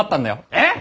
えっ！？